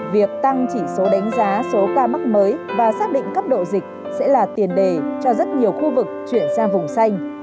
việc tăng chỉ số đánh giá số ca mắc mới và xác định cấp độ dịch sẽ là tiền đề cho rất nhiều khu vực chuyển sang vùng xanh